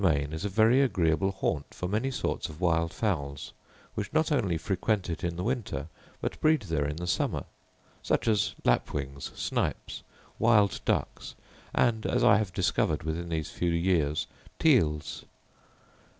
This lonely domain is a very agreeable haunt for many sorts of wild fowls, which not only frequent it in the winter, but breed there in the summer; such as lapwings, snipes, wild ducks, and, as I have discovered within these few years, teals.